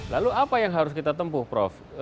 lalu apa yang harus kita tempuh prof